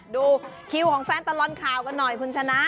ดูคิวของแฟนตลอดข่าวกันหน่อยคุณชนะ